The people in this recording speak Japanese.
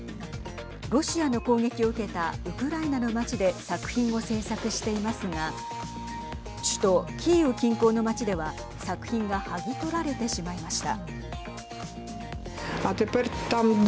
ロシアの攻撃を受けたウクライナの町で作品を制作していますが首都キーウ近郊の町では作品が剥ぎ取られてしまいました。